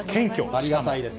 ありがたいです。